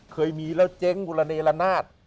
เคยมีแล้วเจ๊งบุรณีแล้วนาธ